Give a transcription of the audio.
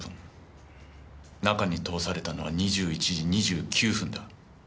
中に通されたのは２１時２９分だ。